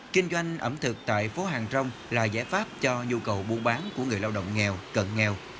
kinh doanh ẩm thực tại phố hàng rong là giải pháp cho nhu cầu buôn bán của người lao động nghèo cận nghèo